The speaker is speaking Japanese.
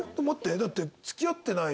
だって。